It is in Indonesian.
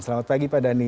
selamat pagi pak dhani